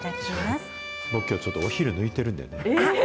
僕、きょう、ちょっとお昼抜いてるんでね。